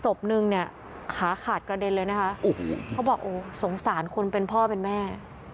ศพนึงเนี่ยขาขาดกระเด็นเลยนะคะโอ้โหเขาบอกโอ้สงสารคนเป็นพ่อเป็นแม่